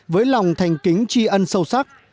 với lòng thành kính tri ân sâu sắc